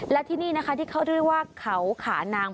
และที่นี่นะคะที่เขาเรียกว่าเขาขานาง